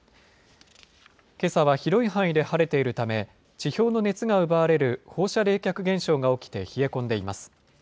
けさは広い範囲で晴れているため、地表の熱が奪われる放射冷却現象が起きて冷え込んでいます。